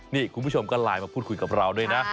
นี่คุณผู้ชมก็ไลน์มาพูดคุยกับเราด้วยนะ